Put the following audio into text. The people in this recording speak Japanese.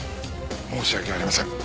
申し訳ありません。